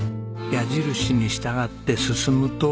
矢印に従って進むと。